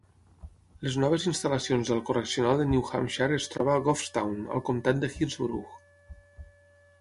Les noves instal·lacions del correccional de New Hampshire es troba a Goffstown, al comtat de Hillsborough.